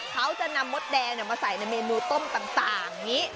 เขาจะนำมดแดงมาใส่ในเมนูต้มต่างอย่างนี้